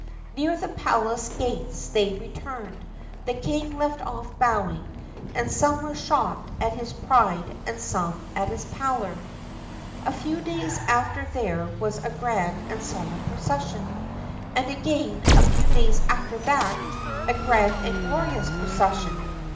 Near the palace gates as they returned, the king left off bowing, and some were shocked at his pride and some at his pallor. A few days after there was a grand and solemn procession. And again, a few days after that, a grand and glorious procession.